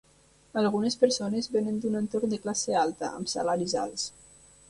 Algunes persones venen d"un entorn de classe alta, amb salaris alts.